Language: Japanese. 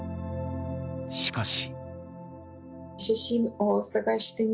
しかし。